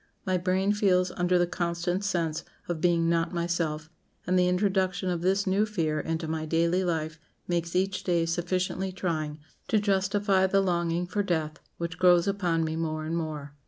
My brain feels under the constant sense of being not myself, and the introduction of this new fear into my daily life makes each day sufficiently trying to justify the longing for death, which grows upon me more and more."